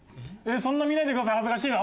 そんな見ないでください恥ずかしいな。